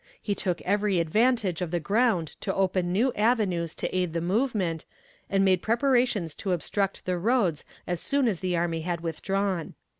He took every advantage of the ground to open new avenues to aid the movement, and made preparations to obstruct the roads as soon as the army had withdrawn.